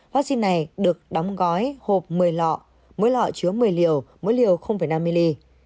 vắc xin này được đóng gói hộp một mươi lọ mỗi lọ chứa một mươi liều mỗi liều năm ml